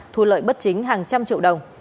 thu lợi bất chính hàng trăm triệu đồng